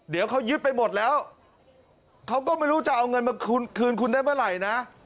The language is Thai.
เดี๋ยวเขายึดไปหมดแล้วเขาก็ไม่รู้จะเอาเงินมาคืนคุณได้เมื่อไหร่นะ